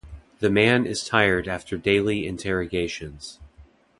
The man is tired after daily interrogations.